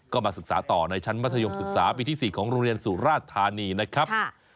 ก็มาศึกษาต่อในชั้นมัธยมศึกษาปีที่๔ของโรงเรียนสุราชธานีนะครับ